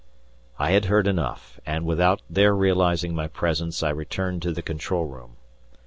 I had heard enough, and, without their realizing my presence, I returned to the control room.